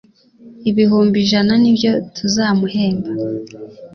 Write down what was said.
ibihumbi ijana nibyo tuzamuhemba